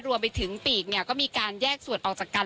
รวมไปถึงปีกเนี่ยก็มีการแยกส่วนออกจากกัน